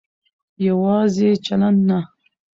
يواځې چلن نه